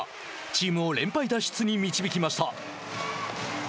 チームを連敗脱出に導きました。